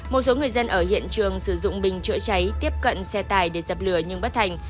một số người dân ở hiện trường sử dụng bình chữa cháy tiếp cận xe tài để dập lửa nhưng bất thành